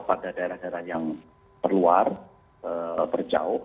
pada daerah daerah yang terluar terjauh